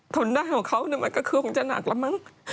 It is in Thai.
ทนได้ของเขามันก็คือคงจะหนักแล้วมั้ง